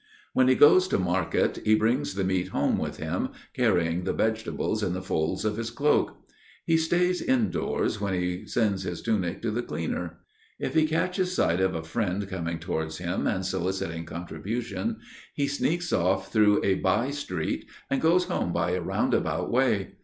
When he goes to market, he brings the meat home with him, carrying the vegetables in the folds of his cloak. He stays indoors when he sends his tunic to the cleaner. If he catches sight of a friend coming towards him and soliciting contributions, he sneaks off through a by street and goes home by a roundabout way.